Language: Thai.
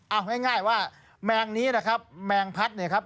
เอาง่ายว่าแมงนี้นะครับแมงพัดเนี่ยครับ